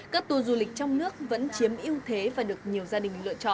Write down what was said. các tour du lịch trong nước vẫn chiếm ưu thế và được nhiều gia đình lựa chọn